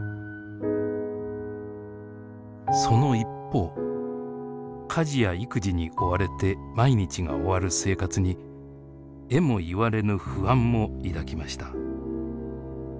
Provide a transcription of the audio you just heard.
その一方家事や育児に追われて毎日が終わる生活にえも言われぬ不安も抱きました。